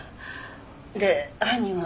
で犯人は？